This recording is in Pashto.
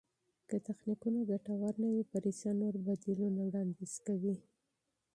که تخنیکونه ګټور نه وي، پریسا نور بدیلونه وړاندیز کوي.